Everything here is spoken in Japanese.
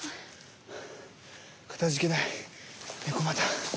かたじけない猫又。